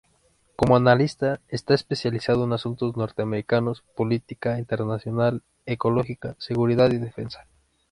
Como analista está especializado en asuntos norteamericanos, política internacional, ecología, seguridad y defensa.